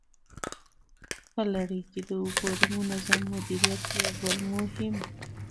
په لړۍ کي د اوبو د منظم مديريت يو بل مهم